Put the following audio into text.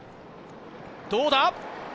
どうだ。